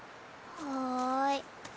はい。